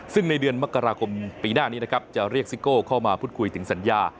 ซึ่งในเดือนมกราคมปีหน้านี้นะครับจะเรียกซิโก้เข้ามาพูดคุยถึงสัญญา